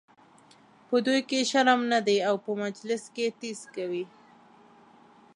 په دوی کې شرم نه دی او په مجلس کې ټیز کوي.